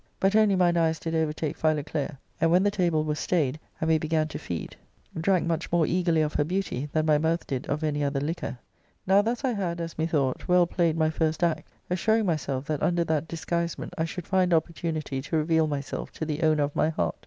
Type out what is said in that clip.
But only ;iiine eyes did overtake Philoclea, and 'when the table was stayed and we began to feed, drank much % i i :V i 76 . ARCADIA.—Book L more eagerly of her beauty than my mouth did of any othet liquor. Now thus I had, as methought, well played my first act, assuring myself that under that disguisement I should find opportunity to reveal myself to the owner of my heart.